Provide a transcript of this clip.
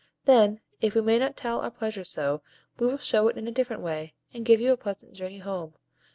"Then, if we may not tell our pleasure so, we will show it in a different way, and give you a pleasant journey home.